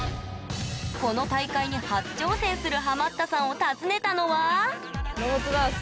この大会に初挑戦するハマったさんを訪ねたのはロボットダンス。